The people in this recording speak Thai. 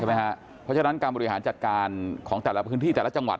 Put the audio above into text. เพราะฉะนั้นการบริหารจัดการของแต่ละพื้นที่แต่ละจังหวัด